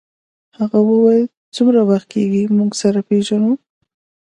هغې وویل چې څومره وخت کېږي چې موږ سره پېژنو